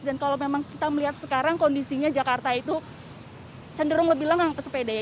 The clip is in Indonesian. dan kalau memang kita melihat sekarang kondisinya jakarta itu cenderung lebih lengang pesepeda ya